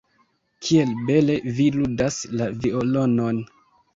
Kiel bele vi ludas la violonon!